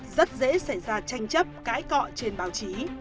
rất dễ xảy ra tranh chấp cãi cọ trên báo chí